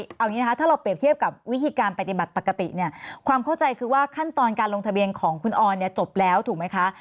เอาอย่างนี้นะคะถ้าเราเปรียบเทียบกับวิธีการปฏิบัติปกติเนี่ยความเข้าใจคือว่าขั้นตอนการลงทะเบียนของคุณออนเนี่ยจบแล้วถูกไหมคะ